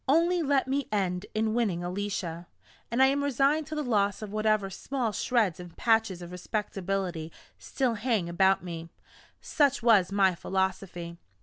Only let me end in winning Alicia, and I am resigned to the loss of whatever small shreds and patches of respectability still hang about me such was my philosophy.